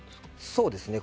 そうですね。